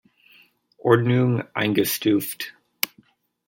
Ordnung" eingestuft.